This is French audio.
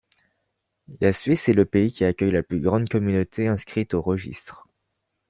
La Suisse est le pays qui accueille la plus grande communauté inscrite au registre.